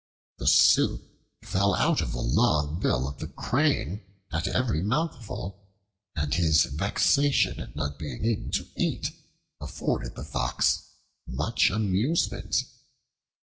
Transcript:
The soup fell out of the long bill of the Crane at every mouthful, and his vexation at not being able to eat afforded the Fox much amusement.